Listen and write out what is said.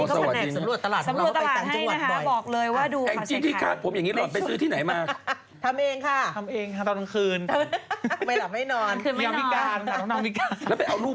สวัสดีตอนนะคะา